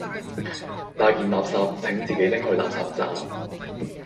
大件垃圾請自己拎去垃圾站